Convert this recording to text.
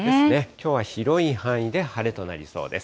きょうは広い範囲で晴れとなりそうです。